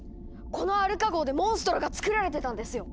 このアルカ号でモンストロがつくられてたんですよ！